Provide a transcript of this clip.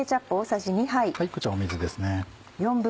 こちら水ですね。